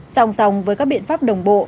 song song với các biện pháp đồng bộ